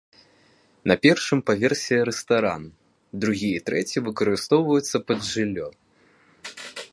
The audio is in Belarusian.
На першым паверсе рэстаран, другі і трэці выкарыстоўваюцца пад жыллё.